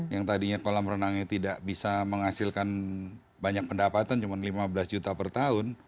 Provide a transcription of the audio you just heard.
yang tadinya kolam renangnya tidak bisa menghasilkan banyak pendapatan cuma lima belas juta per tahun